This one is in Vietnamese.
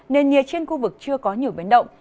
nền nhiệt trên khu vực chưa có nhiều biến động